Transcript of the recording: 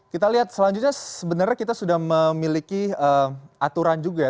kita lihat selanjutnya sebenarnya kita sudah memiliki aturan juga ya